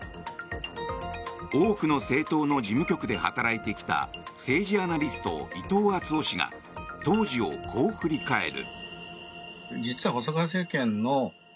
多くの政党の事務局で働いてきた政治アナリスト、伊藤惇夫氏が当時をこう振り返る。